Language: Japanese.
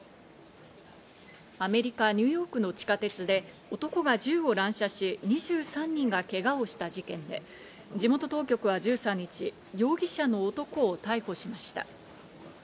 アメリカ・ニューヨークの地下鉄で男が銃を乱射し、２３人がけがをした事件で、地元当局は１３日、容疑者の男を逮捕しました。